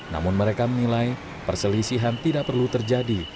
namun mereka menilai perselisihan tidak perlu terjadi